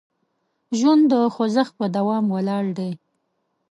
ژوند د خوځښت په دوام ولاړ دی.